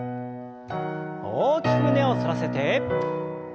大きく胸を反らせて。